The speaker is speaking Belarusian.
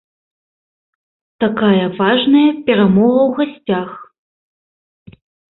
Такая важная перамога ў гасцях.